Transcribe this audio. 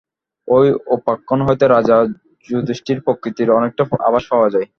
এই উপাখ্যান হইতে রাজা যুধিষ্ঠিরের প্রকৃতির অনেকটা আভাস পাওয়া যায়।